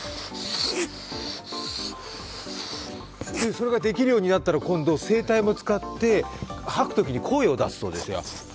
それができるようになったら、今度は声帯も使って吐くときに声を出すそうですよ。